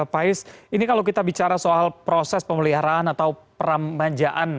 pais ini kalau kita bicara soal proses pemeliharaan atau permajaan